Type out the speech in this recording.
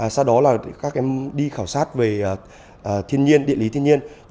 sau đó là các em đi khảo sát về thiên nhiên địa lý thiên nhiên